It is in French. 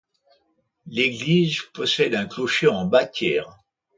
L'église possède un clocher en bâtière.